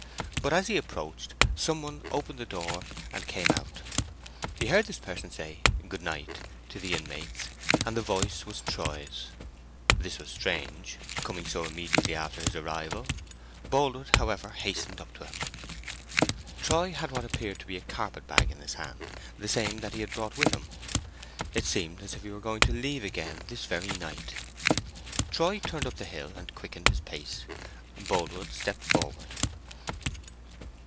But as he approached, some one opened the door and came out. He heard this person say "Good night" to the inmates, and the voice was Troy's. This was strange, coming so immediately after his arrival. Boldwood, however, hastened up to him. Troy had what appeared to be a carpet bag in his hand—the same that he had brought with him. It seemed as if he were going to leave again this very night. Troy turned up the hill and quickened his pace. Boldwood stepped forward.